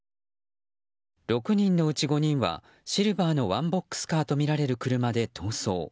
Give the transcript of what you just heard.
６人のうち５人はシルバーのワンボックスカーとみられる車で逃走。